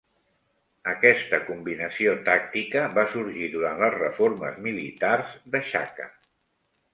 Aquesta combinació tàctica va sorgir durant les reformes militars de Shaka.